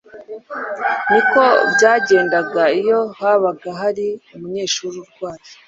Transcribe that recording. niko byagendaga iyo habaga hari umunyeshuri urwaye.